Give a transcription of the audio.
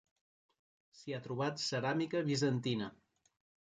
S'hi ha trobat ceràmica bizantina.